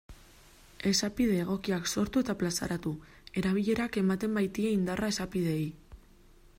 Esapide egokiak sortu eta plazaratu, erabilerak ematen baitie indarra esapideei.